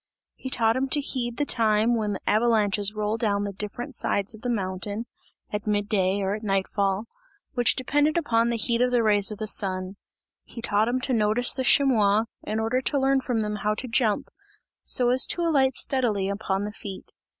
He taught him to heed the time when the avalanches roll down the different sides of the mountain at mid day or at night fall which depended upon the heat of the rays of the sun. He taught him to notice the chamois, in order to learn from them how to jump, so as to alight steadily upon the feet.